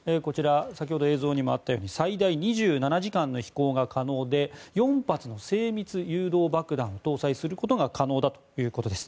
先ほど映像にもあったように最大２７時間の飛行が可能で４発の精密誘導爆弾を搭載することが可能だということです。